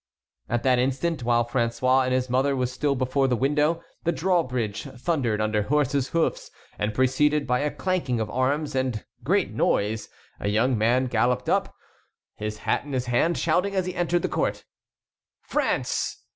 At that instant, while François and his mother were still before the window, the drawbridge thundered under horses' hoofs and preceded by a clanking of arms and great noise a young man galloped up, his hat in his hand, shouting as he entered the court: "France!"